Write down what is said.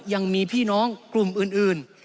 ยังมีพี่น้องกลุ่มอื่น